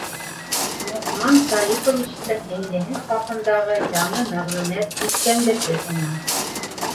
Лоҡман Талиповичтың һеңлеһе хаҡындағы яңы мәғлүмәт һиҫкәндерҙе уны.